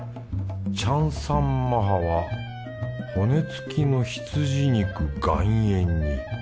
チャンサンマハは骨付の羊肉岩塩煮。